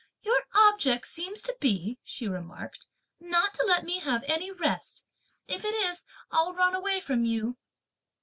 "Your object seems to be," she remarked, "not to let me have any rest. If it is, I'll run away from you."